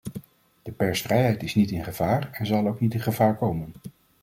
De persvrijheid is niet in gevaar en zal ook niet in gevaar komen.